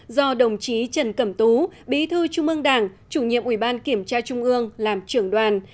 do đồng chí trần cẩm tú bí thư trung ương đảng chủ nhiệm ủy ban kiểm tra trung ương làm trưởng đoàn